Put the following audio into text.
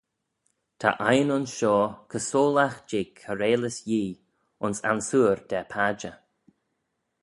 Ta ain ayns shoh co-soylagh jeh kiarailys Yee, ayns ansoor da padjer.